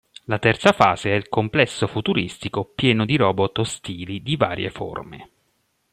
La terza fase è il complesso futuristico pieno di robot ostili di varie forme.